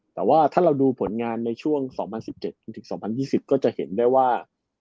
แต่ว่าถ้าเราดูผลงานในช่วง๒๐๑๗จนถึง๒๐๒๐ก็จะเห็นได้ว่า